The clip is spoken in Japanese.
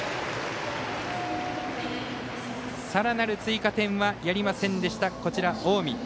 更なる追加点はやりませんでした近江。